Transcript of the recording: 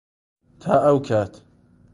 تا ئەو کات.